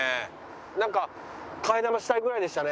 なんか替え玉したいぐらいでしたね。